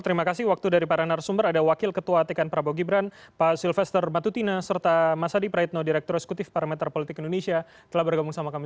terima kasih waktu dari paranar sumber ada wakil ketua atikan prabowo gibran pak sylvester matutina serta mas adi praetno direktur eksekutif parameter politik indonesia telah bergabung sama kami